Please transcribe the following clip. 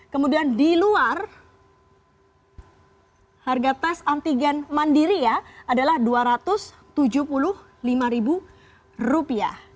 kemudian di luar harga tes antigen mandiri ya adalah rp dua ratus tujuh puluh lima rupiah